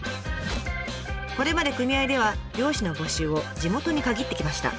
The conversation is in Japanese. これまで組合では漁師の募集を地元に限ってきました。